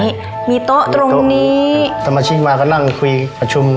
นี่มีโต๊ะตรงนี้สมาชิกมาก็นั่งคุยประชุม